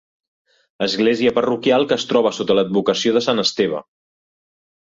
Església parroquial que es troba sota l'advocació de Sant Esteve.